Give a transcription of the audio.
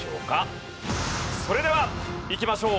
それではいきましょう。